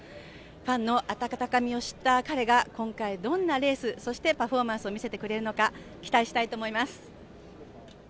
ファンの温かみを知った彼が今回どんなレースそしてパフォーマンスを見せてくれるのか期待したいと思います。